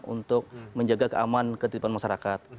untuk menjaga keamanan ketidupan masyarakat